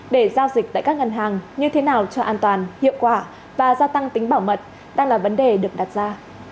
để giao dịch tại các ngân hàng như thế nào cho an toàn hiệu quả và gia tăng tính bảo mật đang là vấn đề được đặt ra